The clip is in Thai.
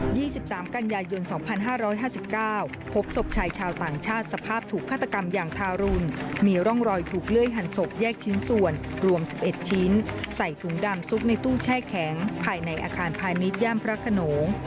มีร่องรอยถูกเลื่อยหันศพแยกชิ้นส่วนรวม๑๑ชิ้นใส่ถุงดำซุกในตู้แช่แข็งภายในอาคารพาณิชย์ย่ำพระขนโหนกรรมที่มีร่องรอยถูกเลื่อยหันศพแยกชิ้นส่วนรวม๑๑ชิ้นใส่ถุงดำซุกในตู้แช่แข็งภายในอาคารพาณิชย์ย่ำพระขนม